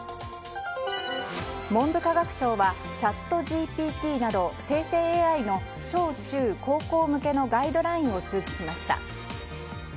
文部科学省はＣｈａｔＧＰＴなど生成ＡＩの小中高校向けのガイドラインを通知しました。